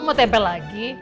mau tempel lagi